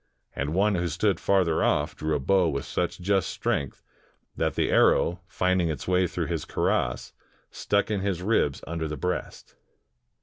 And one who stood farther off drew a bow ^ith such just strength, that the arrow finding its way through his cuirass, stuck in his ribs under' the breast.